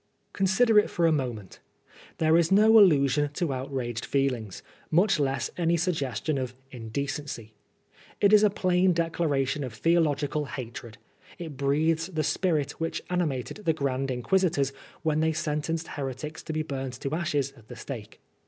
Consider it for a moment. There is no allusion to outraged feelings, much less any suggestion of " inde cency." It is a plain declaration of theological hatred ; it breathes the spirit which animated the Grand Inquisi tors when they sentenced heretics to be burnt to ashes at the stake.